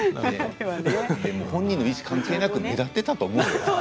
本人の意思関係なく目立っていたと思いますよ。